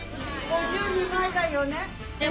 ５２枚だよね。